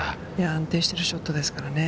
安定してるショットですからね。